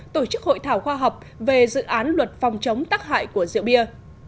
tổ chức hội thảo khoa học về dự án luật phòng chống tắc hại của rượu bia